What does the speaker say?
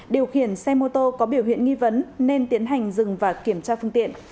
điều khiển xe mô tô có biểu hiện nghi vấn nên tiến hành dừng và kiểm tra phương tiện